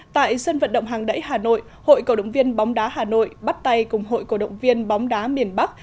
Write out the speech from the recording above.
tại sân vận động hàng đẩy hà nội hội cổ động viên bóng đá hà nội bắt tay cùng hội cổ động viên bóng đá miền bắc